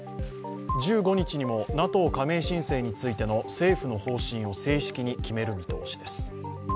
１５日にもＮＡＴＯ加盟申請についての政府の方針を正式に決める見通しです。